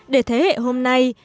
để thế hệ hôm nay